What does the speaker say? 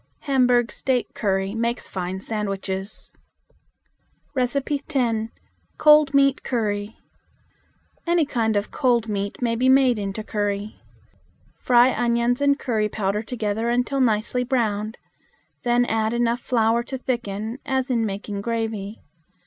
Hamburg steak curry makes fine sandwiches. 10. Cold Meat Curry. Any kind of cold meat may be made into curry. Fry onions and curry powder together until nicely browned. Then add enough flour to thicken, as in making gravy.